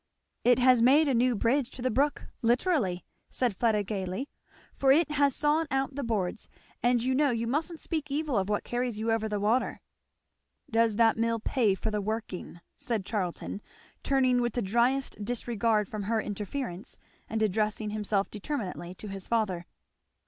"It has made a new bridge to the brook, literally," said Fleda gayly; "for it has sawn out the boards; and you know you mustn't speak evil of what carries you over the water." "Does that mill pay for the working?" said Charlton, turning with the dryest disregard from her interference and addressing himself determinately to his father.